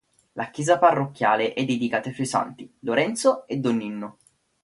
La chiesa parrocchiale è dedicata ai santi Lorenzo e Donnino.